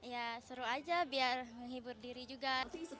ya seru aja biar menghibur diri juga